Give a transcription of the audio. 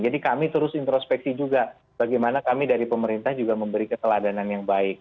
jadi kami terus introspeksi juga bagaimana kami dari pemerintah juga memberi keteladanan yang baik